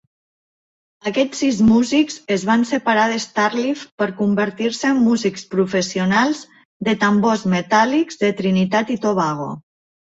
Aquests sis músics es van separar d'Starlift per convertir-se en músics professionals de tambors metàl·lics de Trinitat i Tobago.